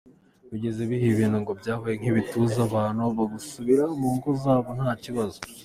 Bigeza igihe ibintu ngo byabaye nk’ibituza abantu bagasubira mu ngo zabo nta kibazo.